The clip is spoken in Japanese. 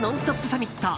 サミット。